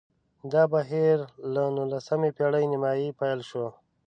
دا بهیر له نولسمې پېړۍ نیمايي پیل شو